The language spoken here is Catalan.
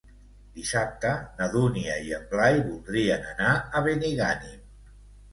Dissabte na Dúnia i en Blai voldrien anar a Benigànim.